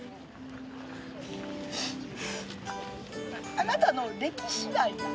あなたの歴史なんや。